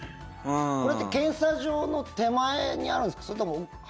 これって検査場の手前にあるんですか？